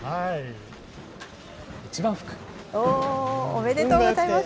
おー、おめでとうございます。